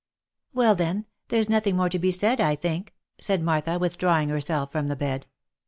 " Well then, there's nothing more to be said, I think," said Martha withdrawing herself from the bed.